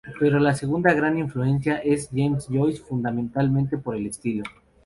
Pero la segunda gran influencia es James Joyce, fundamentalmente por el estilo.